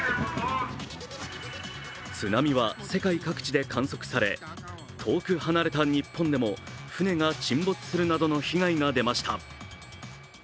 津波は世界各地で観測され遠く離れた日本でも船が沈没するなどの被害が出ました。